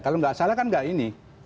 kalau nggak salah kan nggak ini